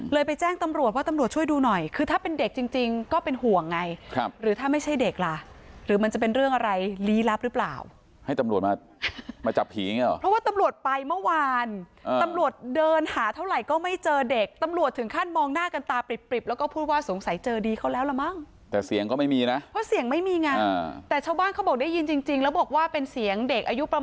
เลยไปแจ้งตำรวจว่าตำรวจช่วยดูหน่อยคือถ้าเป็นเด็กจริงจริงก็เป็นห่วงไงครับหรือถ้าไม่ใช่เด็กล่ะหรือมันจะเป็นเรื่องอะไรลี้ลับหรือเปล่าให้ตำรวจมามาจับผีอย่างเงี้ยเหรอเพราะว่าตำรวจไปเมื่อวานตำรวจเดินหาเท่าไหร่ก็ไม่เจอเด็กตำรวจถึงขั้นมองหน้ากันตาปริบปริบแล้วก็พูดว่าสงสัยเ